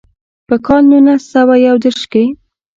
پۀ کال نولس سوه يو ديرشم کښې